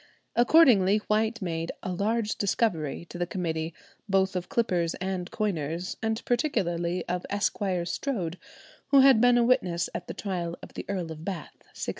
Accordingly, White made "a large discovery" to the committee, both of clippers and coiners, and particularly of Esquire Strode, who had been a witness at the trial of the Earl of Bath (1697).